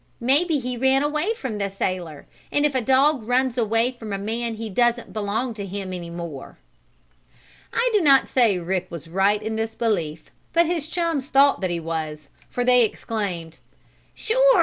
Maybe he ran away from the sailor. And if a dog runs away from a man he doesn't belong to him any more." I do not say Rick was right in this belief, but his chums thought that he was, for they exclaimed: "Sure!